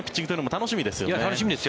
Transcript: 楽しみですよ。